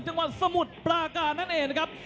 จังหวัดสมุทรปราการนั่นเองนะครับ